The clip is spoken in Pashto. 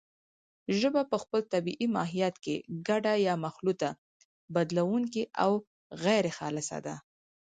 ژبه په خپل طبیعي ماهیت کې ګډه یا مخلوطه، بدلېدونکې او غیرخالصه ده